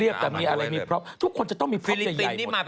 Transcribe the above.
สวีเดนก็ไม่เลวนะคะ